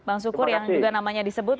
bang sukur yang juga namanya disebut